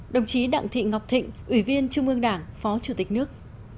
đồng chí đặng thị ngọc thịnh ủy viên trung ương đảng phó chủ tịch nước